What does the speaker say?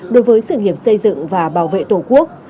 đối với sự nghiệp xây dựng và bảo vệ tổ quốc